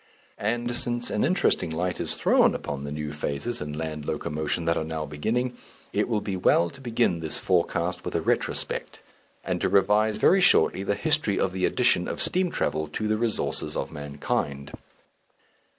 And since an interesting light is thrown upon the new phases in land locomotion that are now beginning, it will be well to begin this forecast with a retrospect, and to revise very shortly the history of the addition of steam travel to the resources of mankind.